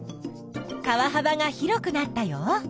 川はばが広くなったよ。